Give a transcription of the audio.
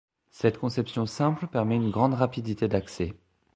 Cette conception simple permet une grande rapidité d'accès.